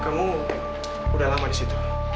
kamu udah lama disitu